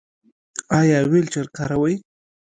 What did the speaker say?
ایا ویلچیر کاروئ؟